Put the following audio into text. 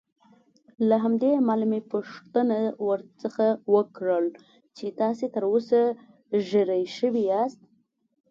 له همدې امله مې پوښتنه درڅخه وکړل چې تاسې تراوسه ژېړی شوي یاست.